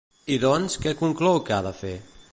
I doncs, què conclou que ha de fer?